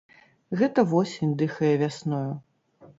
Гэта восень дыхае вясною.